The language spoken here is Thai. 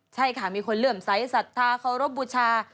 ใช่ค่ะมีคนเหลื่อมใสสัทธาเคารพบูชา